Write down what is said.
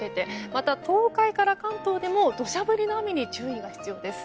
また東海から関東でも土砂降りの雨に注意が必要です。